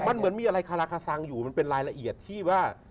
มันเหมือนมีอะไรคาราคาซังอยู่มันเป็นรายละเอียดที่ว่า